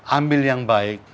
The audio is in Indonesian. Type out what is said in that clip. ambil yang baik